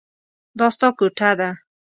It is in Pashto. دا ستا کوټه ده.